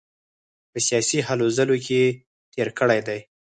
په سیاسي هلو ځلو کې تېر کړی دی.